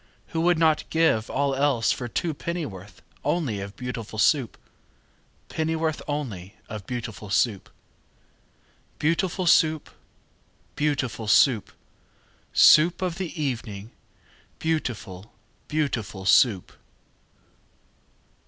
Who would not give all else for two Pennyworth only of Beautiful Soup? Pennyworth only of beautiful Soup? Beau ootiful Soo oop! Beau ootiful Soo oop! Soo oop of the e e evening, Beautiful, beauti FUL SOUP!